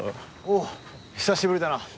おう久しぶりだな。